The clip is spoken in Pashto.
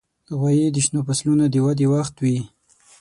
غویی د شنو فصلونو د ودې وخت وي.